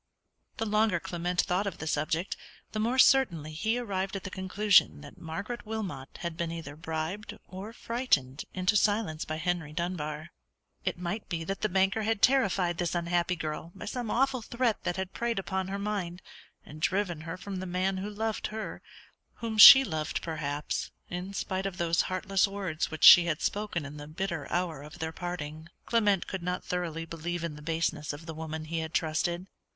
The longer Clement thought of the subject, the more certainly he arrived at the conclusion that Margaret Wilmot had been, either bribed or frightened into silence by Henry Dunbar. It might be that the banker had terrified this unhappy girl by some awful threat that had preyed upon her mind, and driven her from the man who loved her, whom she loved perhaps, in spite of those heartless words which she had spoken in the bitter hour of their parting. Clement could not thoroughly believe in the baseness of the woman he had trusted.